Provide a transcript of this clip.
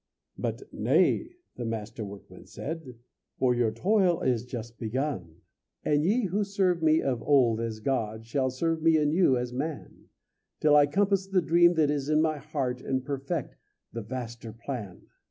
But "Nay," the Master Workman said, "For your toil is just begun. "And ye who served me of old as God Shall serve me anew as man, Till I compass the dream that is in my heart, And perfect the vaster plan."